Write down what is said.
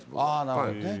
なるほどね。